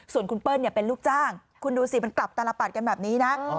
ส่วนคุณเปิ้ลเป็นลูกจ้างคุณดูสิมันกลับตลปัดกันแบบนี้นะ